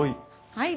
はい。